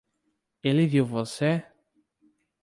Ele viu você?